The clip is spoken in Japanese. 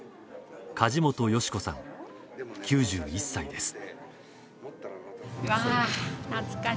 梶本淑子さん、９１歳です。